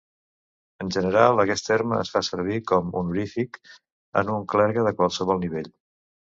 En general aquest terme es fa servir com honorífic en un clergue, de qualsevol nivell.